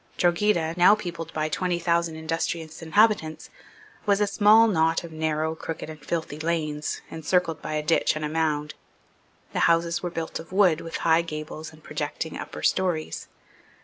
Drogheda, now peopled by twenty thousand industrious inhabitants, was a small knot of narrow, crooked and filthy lanes, encircled by a ditch and a mound. The houses were built of wood with high gables and projecting upper stories.